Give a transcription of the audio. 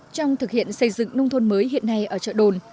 trong thực hiện xây dựng nông thôn mới hiện nay ở chợ đồn